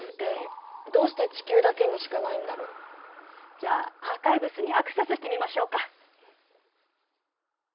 じゃあアーカイブスにアクセスしてみましょうか。